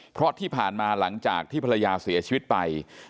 เพราะที่ผ่านมาหลังจากที่ภรรยาเสียชีวิตไป